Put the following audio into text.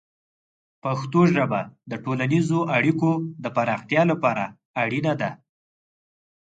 پښتو ژبه د ټولنیزو اړیکو د پراختیا لپاره اړینه ده.